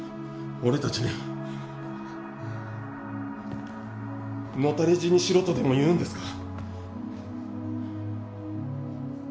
俺たちに野垂れ死にしろとでも言うんですか？